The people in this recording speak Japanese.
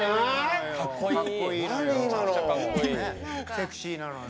セクシーなのよ。